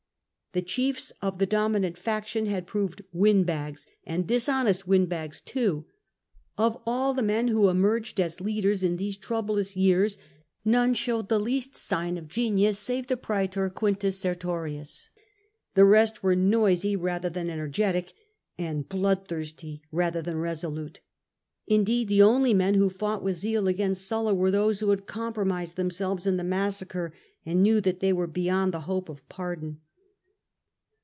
The chiefs of the dominant faction had proved windbags, and dishonest windbags too. Of all the men who emerged as leaders in these troublous years, none showed the least sign of genius save the praetor Q. Sertorius; the rest were noisy rather than energetic, and bloodthirsty rather than resolute. Indeed, the only men who fought with zeal against Sulla were those who had compromised them selves in the massacre, and knew that they were beyond the hope of pardon.